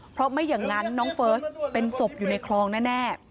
เพราะไม่อย่างนั้นน้องเฟิร์สเป็นศพอยู่ในคลองแน่